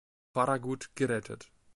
Farragut" gerettet.